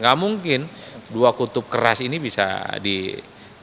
gak mungkin dua kutub keras ini bisa di